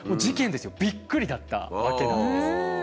びっくりだったわけなんです。